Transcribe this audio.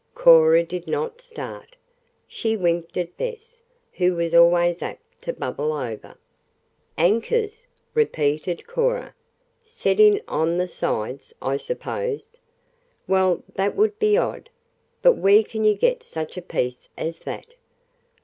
Cora did not start. She winked at Bess, who was always apt to "bubble over." "Anchors?" repeated Cora. "Set in on the sides, I suppose? Well, that would be odd. But where can you get such a piece as that?"